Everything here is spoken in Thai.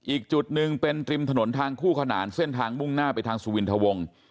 อีกจุดหนึ่งเป็นริมถนนทางคู่ขนานเส้นทางมุ่งหน้าไปทางสุวินทะวง